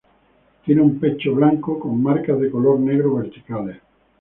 Tiene un pecho blanco con marcas de color negro verticales.